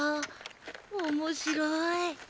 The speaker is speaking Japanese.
わ面白い！